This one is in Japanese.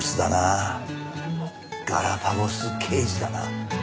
ガラパゴス刑事だな。